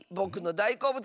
だいこうぶつ？